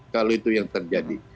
kalau itu yang terjadi